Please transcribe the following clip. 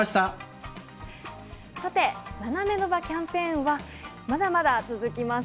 さて「ナナメの場キャンペーン」はまだまだ続きます。